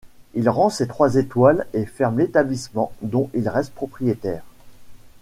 Il rend ses trois étoiles et ferme l'établissement dont il reste propriétaire.